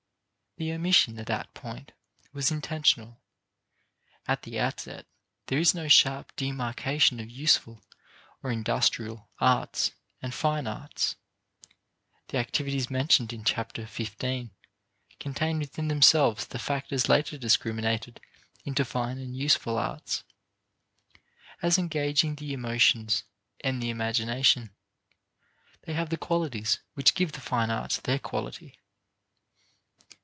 The omission at that point was intentional. At the outset, there is no sharp demarcation of useful, or industrial, arts and fine arts. The activities mentioned in Chapter XV contain within themselves the factors later discriminated into fine and useful arts. As engaging the emotions and the imagination, they have the qualities which give the fine arts their quality.